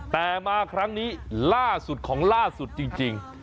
แต่มาครั้งนี้ของล่าสุดจริง